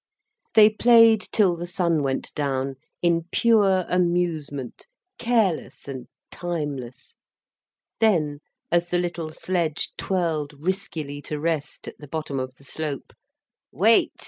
They played till the sun went down, in pure amusement, careless and timeless. Then, as the little sledge twirled riskily to rest at the bottom of the slope, "Wait!"